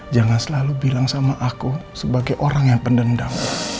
jangan selalu bilang sama aku sebagai orang yang pendendam